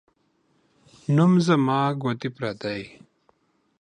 نوم زما ، گوتي پردۍ.